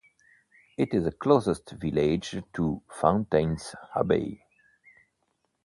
It is the closest village to Fountains Abbey.